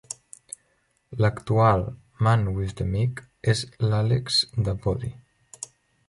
L'actual "Man with the Mic" és l'Alex Davoodi.